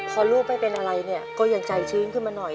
พอลูกไม่เป็นอะไรเนี่ยก็ยังใจชื้นขึ้นมาหน่อย